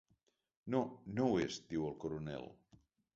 No, no ho és, diu el coronel.